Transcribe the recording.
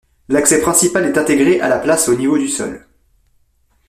L'accès principal est intégré à la place au niveau du sol.